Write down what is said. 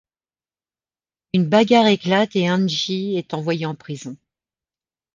Une bagarre éclate et Angie est envoyé en prison.